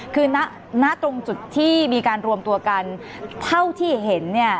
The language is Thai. คือณตรงจุดที่มีการรวมตัวกันเท่าที่เห็นเนี่ย